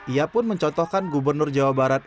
ia pun mencontohkan gubernur jawa barat